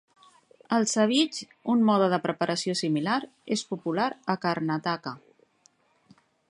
El "savige", un mode de preparació similar, és popular a Karnataka.